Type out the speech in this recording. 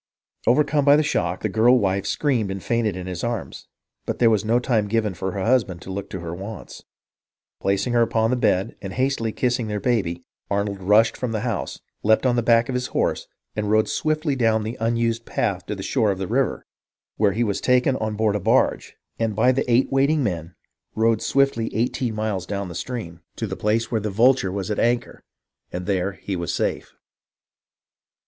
Overcome by the shock, the girl wife screamed and fainted in his arms ; but there was no time given for her husband to look to her wants. Placing her upon the bed and hastily kissing their baby, Arnold rushed from the house, leapt on the back of his horse, and rode swiftly down an unused path to the shore of the river, where he was taken on board a barge, and by the eight waiting men rowed swiftly eighteen miles down 296 HISTORY OF THE AMERICAN REVOLUTION the stream to the place where the Vulture was at anchor, and there he was safe.